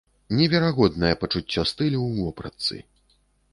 Неверагоднае пачуццё стылю ў вопратцы.